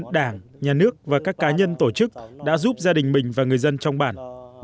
đảng nhà nước và các cá nhân tổ chức đã giúp gia đình mình và người dân trong bản